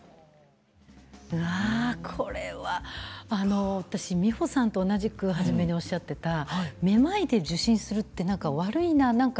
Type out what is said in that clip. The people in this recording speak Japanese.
うわこれは私美穂さんと同じく初めにおっしゃってためまいで受診するって何か悪いな何か。